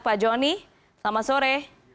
pak joni selamat sore